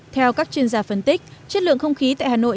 theo các chuyên gia phân tích chất lượng không khí tại hà nội